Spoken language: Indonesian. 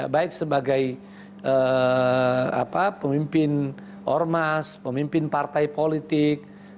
baik sebagai pemimpin ormas pemimpin partai politik